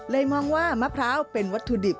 มองว่ามะพร้าวเป็นวัตถุดิบ